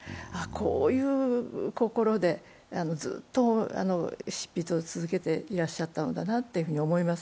こういう心でずっと執筆を続けていらっしゃったのだなと思います。